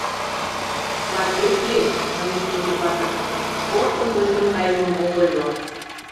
— Вашке кӱэш, — манеш Пӱнчӧ-патыр, Опкын кочкын каймым ок ойло.